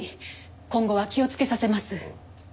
今後は気をつけさせます。